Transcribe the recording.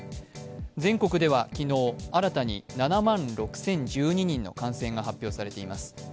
全国では昨日、新たに７万６０１２人の感染が発表されています。